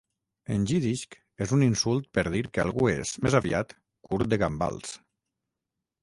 En jiddisch, és un insult per dir que algú és, més aviat, curt de gambals.